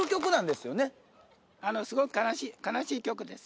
すごく悲しい曲です。